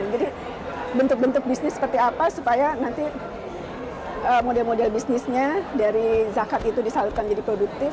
jadi bentuk bentuk bisnis seperti apa supaya nanti model model bisnisnya dari zakat itu disalurkan jadi produktif